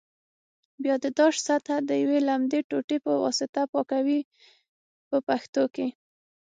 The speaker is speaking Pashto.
بیا د داش سطحه د یوې لمدې ټوټې په واسطه پاکوي په پښتو کې.